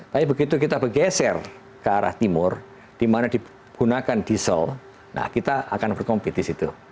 tapi begitu kita bergeser ke arah timur di mana digunakan diesel nah kita akan berkompet di situ